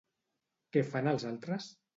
Què fan els altres?